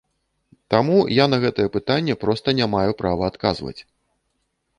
Таму я на гэтае пытанне проста не маю права адказваць.